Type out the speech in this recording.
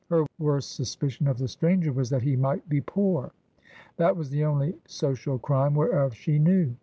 Her worst suspicion of the stranger was that he might be poor. That was the only social crime whereof she knew.